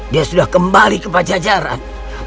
dia sudah kembali ke pajajaran